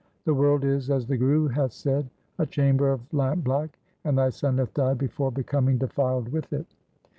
The world is, as the Guru hath said, a chamber of lamp black, and thy son hath died before becoming defiled with it.'